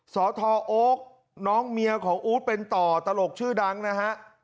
สทโอ๊คน้องเมียของอู๊ดเป็นต่อตลกชื่อดังนะฮะ